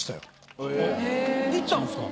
行ったんすか。